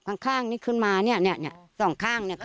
ข้างนี่ขึ้นมาเนี่ยสองข้างเนี่ยค่ะ